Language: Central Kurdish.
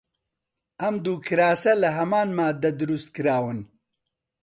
ئەم دوو کراسە لە هەمان ماددە دروست کراون.